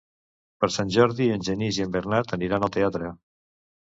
Per Sant Jordi en Genís i en Bernat aniran al teatre.